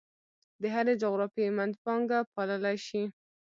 د هرې جغرافیې منځپانګه پاللی شي.